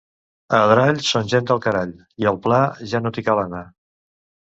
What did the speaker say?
A Adrall són gent del carall, i al Pla ja no t'hi cal anar.